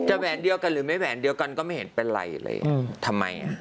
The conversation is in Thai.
แหวนเดียวกันหรือไม่แหวนเดียวกันก็ไม่เห็นเป็นไรเลยทำไมอ่ะ